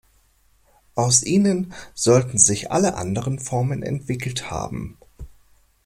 Aus ihnen sollten sich alle anderen Formen entwickelt haben.